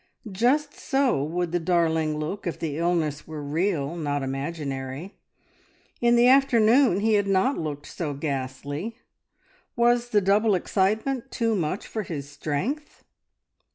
Just so would the darling look if the illness were real, not imaginary. In the afternoon he had not looked so ghastly. Was the double excitement too much for his strength?